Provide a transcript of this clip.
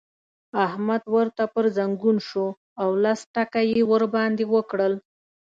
احمد ورته پر ځنګون شو او لس ټکه يې ور باندې وکړل.